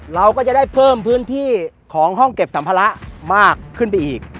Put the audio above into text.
เราก็จะได้เพิ่มพื้นที่ของห้องเก็บสัมภาระมากขึ้นไปอีก